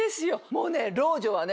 もうね老女はね。